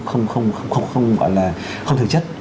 không không không không gọi là không thực chất